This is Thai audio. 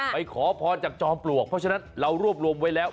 ขอพรจากจอมปลวกเพราะฉะนั้นเรารวบรวมไว้แล้ว